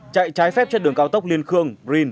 chạy trái phép trên đường cao tốc liên khương